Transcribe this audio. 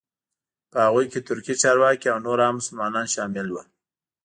په هغوی کې ترکي چارواکي او نور عام مسلمانان شامل وو.